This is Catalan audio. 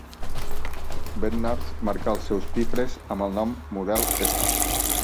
Bednarz marca els seus pifres amb el nom "Model F".